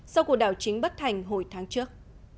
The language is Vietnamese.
sau cuộc đảo chính bất thành hồi tháng trước